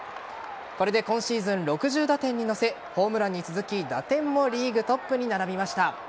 これで今シーズン６０打点に乗せホームランに続き打点もリーグトップに並びました。